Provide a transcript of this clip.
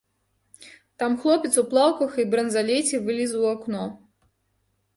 Там хлопец у плаўках і бранзалеце вылез у акно.